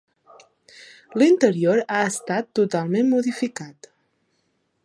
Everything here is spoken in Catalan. L'interior ha estat totalment modificat.